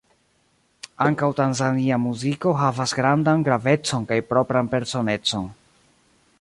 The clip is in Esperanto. Ankaŭ Tanzania muziko havas grandan gravecon kaj propran personecon.